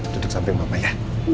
duduk samping mama ya